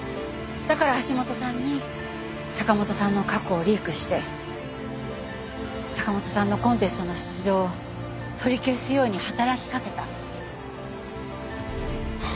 だから橋本さんに坂元さんの過去をリークして坂元さんのコンテストの出場を取り消すように働きかけた。